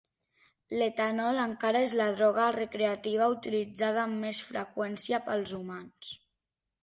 L'etanol encara és la droga recreativa utilitzada amb més freqüència pels humans.